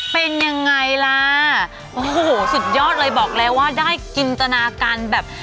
เป็นยังไงล่ะโอ้โหสุดยอดเลยบอกแล้วว่าได้จินตนาการแบบ